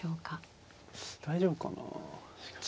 大丈夫かなしかし。